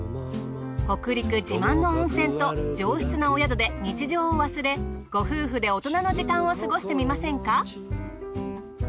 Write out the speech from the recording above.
北陸自慢の温泉と上質なお宿で日常を忘れご夫婦で大人の時間を過ごしてみませんか？